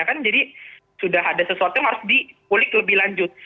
kan jadi sudah ada sesuatu yang harus dipulik lebih lanjut